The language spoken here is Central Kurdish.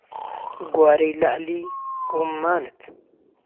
گوارەی لهعلى روممانت